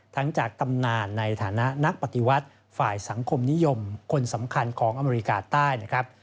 จากตำนานในฐานะนักปฏิวัติฝ่ายสังคมนิยมคนสำคัญของอเมริกาใต้นะครับ